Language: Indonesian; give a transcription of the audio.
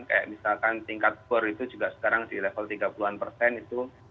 kayak misalkan tingkat bor itu juga sekarang di level tiga puluh an persen itu